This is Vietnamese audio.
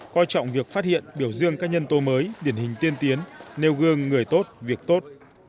coi trọng việc phát hiện biểu dương các nhân tố mới điển hình tiên tiến nêu gương người tốt việc tốt